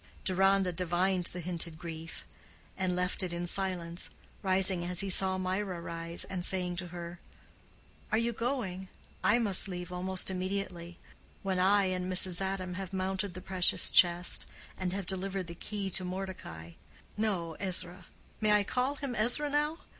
Deronda divined the hinted grief, and left it in silence, rising as he saw Mirah rise, and saying to her, "Are you going? I must leave almost immediately—when I and Mrs. Adam have mounted the precious chest, and I have delivered the key to Mordecai—no, Ezra,—may I call him Ezra now?